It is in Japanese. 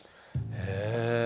へえ。